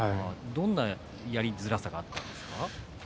どんなやりづらさがあったんですか？